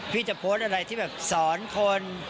พี่จะโพสต์อะไรที่แบบสอนคน